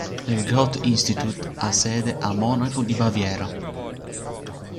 Il Goethe-Institut ha sede a Monaco di Baviera.